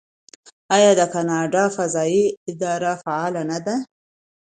آیا د کاناډا فضایی اداره فعاله نه ده؟